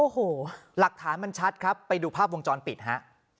โอ้โหหลักฐานมันชัดครับไปดูภาพวงจรปิดฮะ